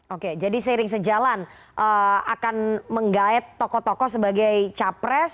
oke jadi seiring sejalan akan menggayat tokoh tokoh sebagai capres